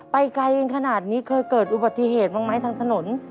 ไปไกลกันขนาดนี้เคยเกิดอุบัติเหตุบ้างไหมทางถนน